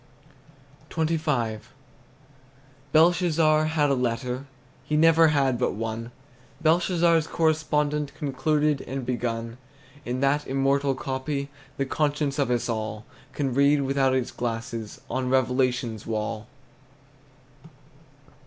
XXV. Belshazzar had a letter, He never had but one; Belshazzar's correspondent Concluded and begun In that immortal copy The conscience of us all Can read without its glasses On revelation's wall.